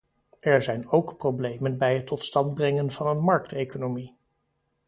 Er zijn ook problemen bij het tot stand brengen van een markteconomie.